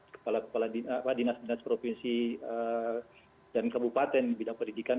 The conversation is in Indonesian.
kepala kepala dinas dinas provinsi dan kabupaten di bidang pendidikan